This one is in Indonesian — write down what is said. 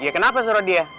iya kenapa surah dia